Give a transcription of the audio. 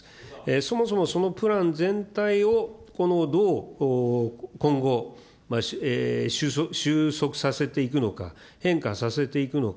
そもそもそのプラン全体を、どう今後、収束させていくのか、変化させていくのか。